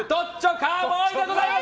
カウボーイでございます。